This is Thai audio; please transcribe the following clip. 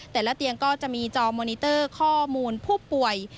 แต่ละเตียงก็จะมีจอมมอนิเตอร์ข้อมูลผู้ป่วย